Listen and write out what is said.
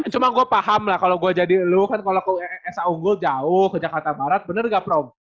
cuma gue paham lah kalau gue jadi lu kan kalau kesa unggul jauh ke jakarta barat bener gak prof